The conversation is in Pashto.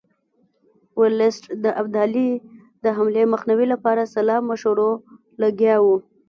ورلسټ د ابدالي د حملې مخنیوي لپاره سلا مشورو لګیا وو.